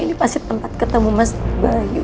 ini pasti tempat ketemu mas bayu